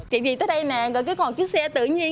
chị nguyễn tới đây nè rồi cứ còn chiếc xe tự nhiên